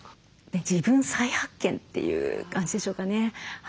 自分再発見という感じでしょうかね。